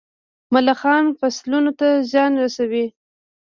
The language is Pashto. ملخان فصلونو ته زیان رسوي.